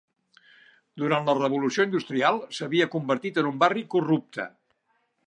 Durant la Revolució Industrial, s'havia convertit en un barri corrupte.